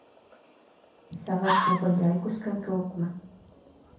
Сәғәт уғы яй күскән кеүекме?